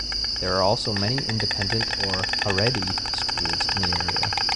There are also many independent or Haredi schools in the area.